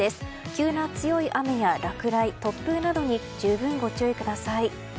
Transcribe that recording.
急な強い雨や落雷突風などに十分ご注意ください。